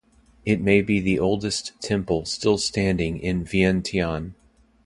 It may be the oldest temple still standing in Vientiane.